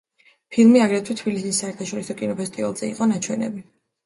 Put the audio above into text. ფილმი აგრეთვე თბილისის საერთაშორისო კინოფესტივალზე იყო ნაჩვენები.